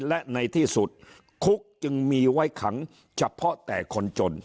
และในที่สุดคุกจึงมีไว้ขังเฉพาะแต่คนจน